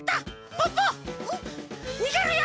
ポッポにげるよ！